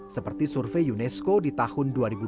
seperti survei unesco ditandatangani